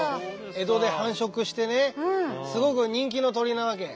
江戸で繁殖してねすごく人気の鳥なわけ。